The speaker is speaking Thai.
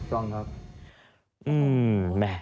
ต้องครับ